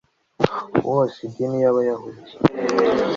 wose idini y'abayahudi